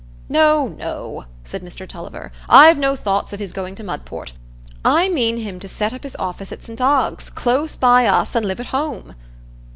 "No, no," said Mr Tulliver, "I've no thoughts of his going to Mudport: I mean him to set up his office at St Ogg's, close by us, an' live at home.